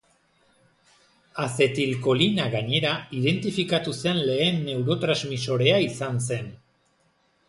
Azetilkolina gainera, identifikatu zen lehen neurotransmisorea izan zen.